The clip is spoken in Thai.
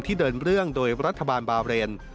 เดินเรื่องโดยรัฐบาลบาเรน